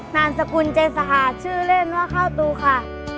นามสกุลเจสหาชื่อเล่นว่าข้าวตูค่ะ